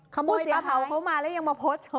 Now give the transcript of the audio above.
ขโมยปลาเผาเขามาแล้วยังมาโพสต์